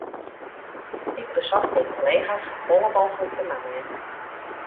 Ik besocht myn kollega's safolle mooglik te mijen.